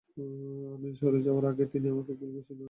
আমি সরে যাওয়ার আগেই তিনি আমাকে কিল ঘুষি দেওয়া শুরু করেন।